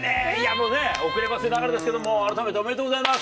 もうね遅ればせながらですけどもあらためておめでとうございます。